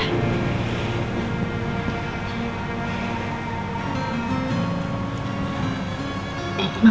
mama tinggal ya